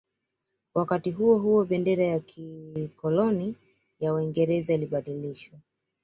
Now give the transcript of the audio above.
Wakati huo huo bendera ya kikoloni ya Uingereza ilibadilishwa